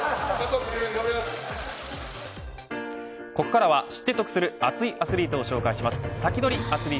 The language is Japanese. ここからは知って得する熱いアスリートを紹介するサキドリ！